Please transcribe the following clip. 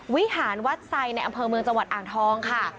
วิหารวัดไซดในอำเภอเมืองจังหวัดอ่างทองค่ะ